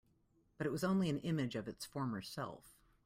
But it was only an image of its former self.